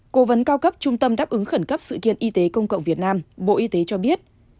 cố vấn cao cấp trung tâm đáp ứng khẩn cấp sự kiện y tế công cộng việt nam bộ y tế cho biết